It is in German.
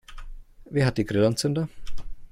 Wer hat die Grillanzünder?